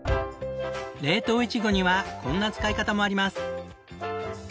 冷凍イチゴにはこんな使い方もあります。